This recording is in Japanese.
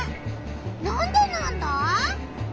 なんでなんだ？